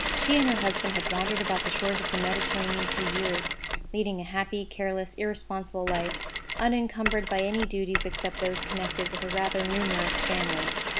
She and her husband had wandered about the shores of the Mediterranean for years, leading a happy, careless, irresponsible life, unencumbered by any duties except those connected with a rather numerous family.